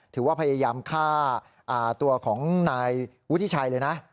ถือว่าพยายามฆ่าตัวของนายวุฒิชัยเลยนะ